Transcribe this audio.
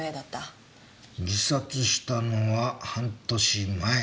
自殺したのは半年前。